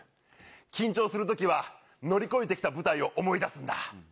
緊張するときは、乗り越えてきた舞台を思い出すんだ。